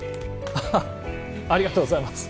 アハッありがとうございます